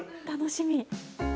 楽しみ。